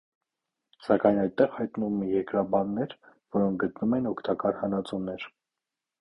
Սակայն այդտեղ հայտնվում են երկրաբաններ, որոնք գտնում են օգտակար հանածոներ։